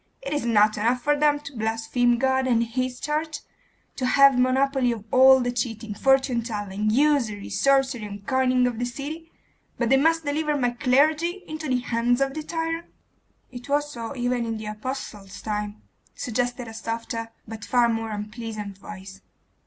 It is not enough for them to blaspheme God and His church, to have the monopoly of all the cheating, fortune telling, usury, sorcery, and coining of the city, but they must deliver my clergy into the hands of the tyrant?' 'It was so even in the apostles' time,' suggested a softer but far more unpleasant voice.